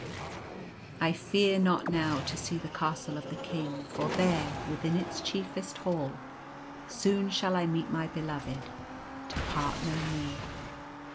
I fear not now to see the Castle of the King ; for there, within its chiefest Hall, soon shall I meet my Beloved — to part no more.